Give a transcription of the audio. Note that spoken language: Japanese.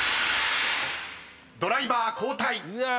［ドライバー交代］